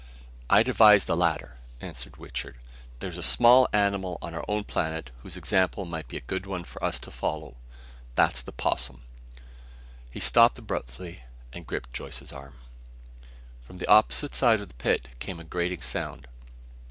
"I'd advise the latter," answered Wichter. "There is a small animal on our own planet whose example might be a good one for us to follow. That's the 'possum." He stopped abruptly, and gripped Joyce's arm. From the opposite side of the pit came a grating sound.